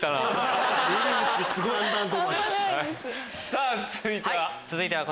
さぁ続いては？